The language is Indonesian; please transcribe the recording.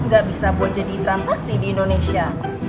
gak bisa buat jadi transaksi di indonesia